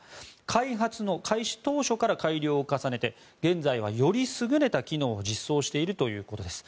開発開始当初から改良を重ねて現在は、より優れた機能を実装しているということです。